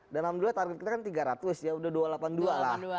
dan alhamdulillah target kita kan tiga ratus ya udah dua ratus delapan puluh dua lah